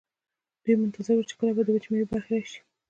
دوی منتظر وو چې کله به د وچې میوې برخه راشي.